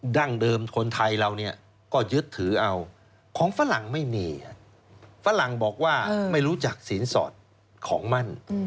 ดั้งเดิมคนไทยเราเนี่ยก็ยึดถือเอาของฝรั่งไม่มีฝรั่งบอกว่าไม่รู้จักสินสอดของมั่น